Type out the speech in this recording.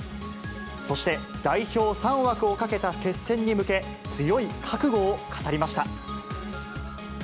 そして、代表３枠をかけた決戦に向け、強い覚悟を語りました。